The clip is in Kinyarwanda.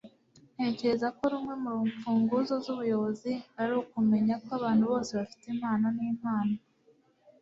ntekereza ko rumwe mu mfunguzo z'ubuyobozi ari ukumenya ko abantu bose bafite impano n'impano